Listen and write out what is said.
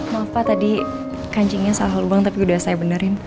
maaf pak tadi kanjingnya salah lubang tapi udah saya benerin